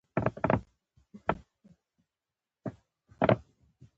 دا سجده وس د چا دپاره کيږي